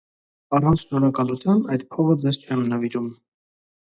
առանց շնորհակալության, այդ փողը ձեզ չեմ նվիրում: